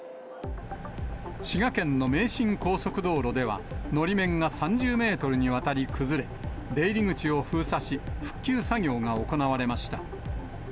滋賀県の名神高速道路では、のり面が３０メートルにわたり崩れ、出入り口を封鎖し、復旧作業が行われました。